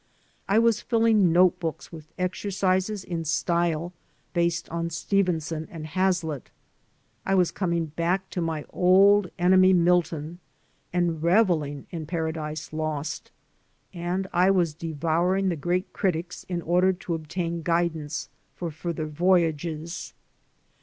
I was filling note books with exercises in style based on Stevenson and Hazlitt; I was coming back to my old enemy Milton and reveling in Paradise Lost; and I was devouring the great critics in order to obtain guidance for further voyages.